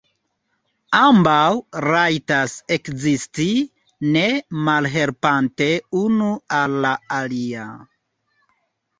Ambaŭ rajtas ekzisti, ne malhelpante unu al la alia.